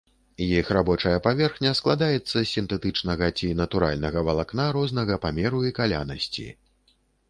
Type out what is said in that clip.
Іх рабочая паверхня складаецца з сінтэтычнага ці натуральнага валакна рознага памеру і калянасці.